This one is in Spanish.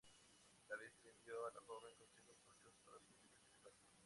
La Virgen le dio a la joven consejos provechosos para su vida espiritual.